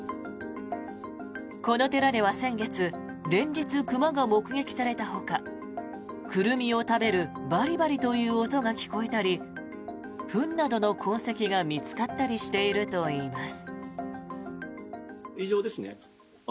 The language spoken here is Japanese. この寺では先月連日、熊が目撃されたほかクルミを食べるバリバリという音が聞こえたりフンなどの痕跡が見つかったりしているといいます。